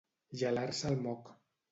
Gelar-se el moc.